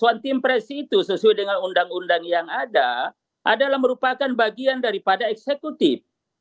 kontempresi itu sesuai dengan undang undang yang ada adalah merupakan bagian daripada eksekutif